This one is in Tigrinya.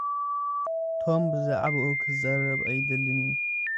ቶሚ ብዛዕባኡ ኽዛረብ ኣይደለየን።